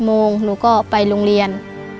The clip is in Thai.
โมงหนูก็ไปโรงเรียน